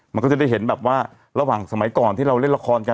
มันก็จะได้เห็นแบบว่าระหว่างสมัยก่อนที่เราเล่นละครกัน